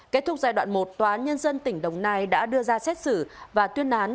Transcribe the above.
kết thúc giai đoạn một tòa án nhân dân tỉnh đồng nai đã đưa ra xét xử và tuyên án